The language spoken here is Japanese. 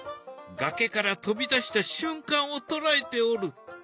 崖から飛び出した瞬間を捉えておる。